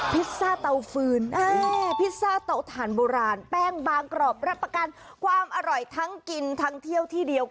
พิซซ่าเตาฟืนพิซซ่าเตาถ่านโบราณแป้งบางกรอบรับประกันความอร่อยทั้งกินทั้งเที่ยวที่เดียว